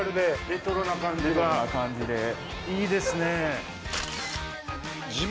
レトロな感じがいいですね。